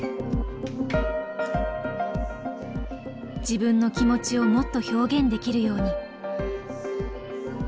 自分の気持ちをもっと表現できるように。